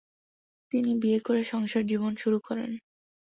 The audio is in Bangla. তিনি বিয়ে করে সংসার জীবন শুরু করেন।